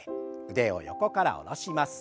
腕を横から下ろします。